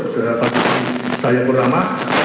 saudara pak gubernur saya yang pertama